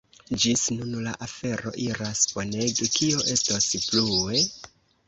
Ĝis nun la afero iras bonege, kio estos plue?